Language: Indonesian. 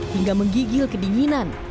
hingga menggigil ke dinginan